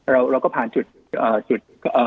เราก็ผ่านจุด